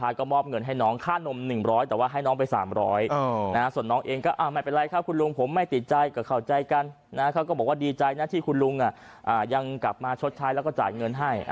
ยังกลับมาชดใช้แล้วก็จ่ายเงินให้